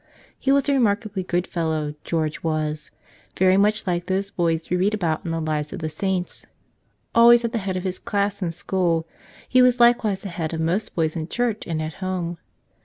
He was a remarkably good fellow, George was, very much like those boys we read about in the lives of the saints. Always at the head of his class in school, he was likewise ahead of most boys in church and at home.